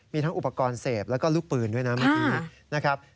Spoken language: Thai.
มีทั้งอุปกรณ์เสพแล้วก็ลูกปืนด้วยนะเมื่อกี้นะครับ